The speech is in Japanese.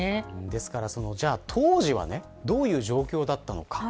ですから当時はどういう状況だったのか。